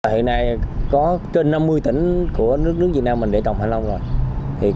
hiện nay có trên năm mươi tỉnh của nước việt nam mình để trồng thanh long rồi